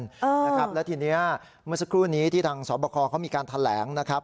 แล้วทีนี้เมื่อสักครู่นี้ที่ทางสอบคอเขามีการแถลงนะครับ